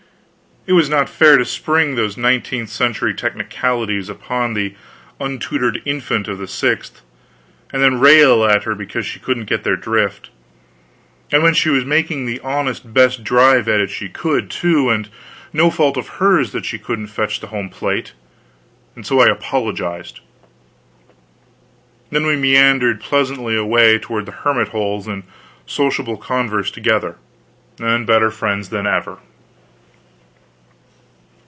It was not fair to spring those nineteenth century technicalities upon the untutored infant of the sixth and then rail at her because she couldn't get their drift; and when she was making the honest best drive at it she could, too, and no fault of hers that she couldn't fetch the home plate; and so I apologized. Then we meandered pleasantly away toward the hermit holes in sociable converse together, and better friends than ever.